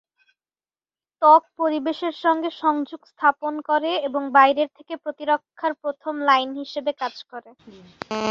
ত্বক পরিবেশের সঙ্গে সংযোগ স্থাপন করে এবং বাইরের থেকে প্রতিরক্ষার প্রথম লাইন হিসাবে কাজ করে।